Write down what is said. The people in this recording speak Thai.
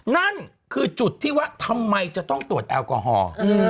นั่นคือจุดที่ว่าทำไมจะต้องตรวจแอลกอฮอล์